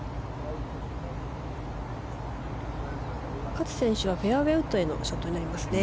勝選手はフェアウェーウッドでのショットになりますね。